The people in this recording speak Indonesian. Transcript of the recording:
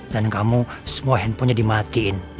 dan kamu semua handphonenya dimatiin